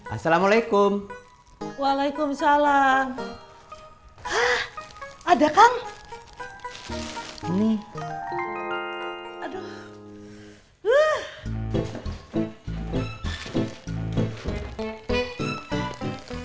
assalamualaikum waalaikumsalam ada kang ini aduh